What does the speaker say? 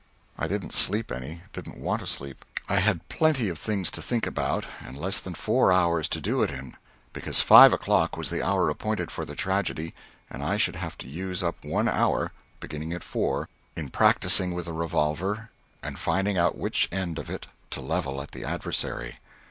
I didn't sleep any didn't want to sleep. I had plenty of things to think about, and less than four hours to do it in, because five o'clock was the hour appointed for the tragedy, and I should have to use up one hour beginning at four in practising with the revolver and finding out which end of it to level at the adversary.